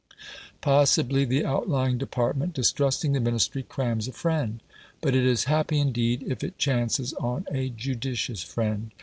Possibly the outlying department, distrusting the Ministry, crams a friend. But it is happy indeed if it chances on a judicious friend.